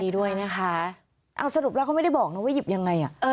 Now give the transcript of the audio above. ด้วยนะคะเอาสรุปแล้วเขาไม่ได้บอกนะว่าหยิบยังไงอ่ะเออ